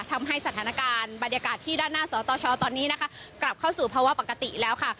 ทำให้สถานการณ์บรรยากาศที่ด้านหน้าสตชตอนนี้นะคะกลับเข้าสู่ภาวะปกติแล้วค่ะ